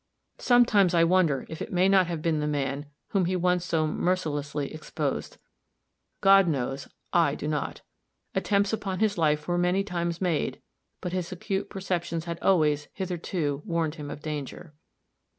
Sometimes I wonder if it may not have been the man whom he once so mercilessly exposed. God knows I do not. Attempts upon his life were many times made, but his acute perceptions had always, hitherto, warned him of danger.